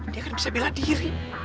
dia kan bisa bela diri